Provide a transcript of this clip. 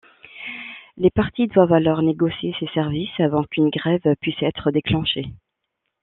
Les parties doivent alors négocier ces services avant qu'une grève puisse être déclenchée.